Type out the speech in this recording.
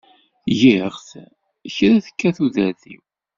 Giɣ-t kra tekka tudert-iw.